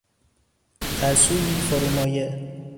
ترسویی فرومایه